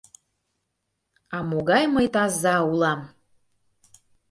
А могай мый таза улам!